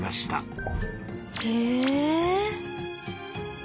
へえ。